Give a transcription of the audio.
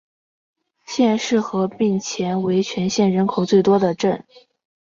县市合并前为全县人口最多的镇。